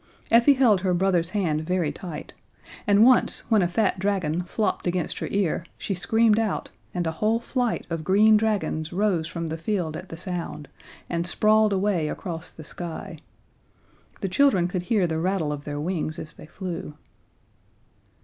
Effie held her brother's hand very tight, and once when a fat dragon flopped against her ear she screamed out, and a whole flight of green dragons rose from the field at the sound, and sprawled away across the sky. The children could hear the rattle of their wings as they flew.